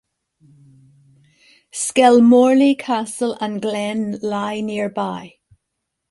Skelmorlie Castle and glen lie nearby.